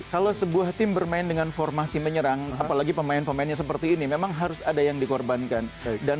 kalau sebuah tim bermain dengan formasi menyerang apalagi pemain pemainnya seperti ini memang harus ada yang dikorbankan